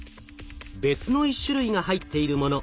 別の１種類が入っているもの。